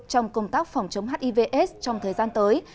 trong công tác phòng chống hivs trong thời gian tới